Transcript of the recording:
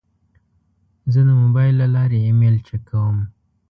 زه د موبایل له لارې ایمیل چک کوم.